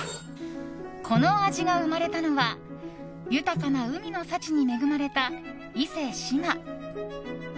この味が生まれたのは豊かな海の幸に恵まれた伊勢志摩。